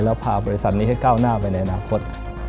แล้วพาบริษัทนี้ให้ก้าวหน้าไปในอนาคต